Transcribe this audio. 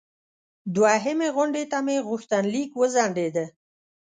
دوهمې غونډې ته مې غوښتنلیک وځنډیده.